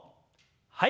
はい。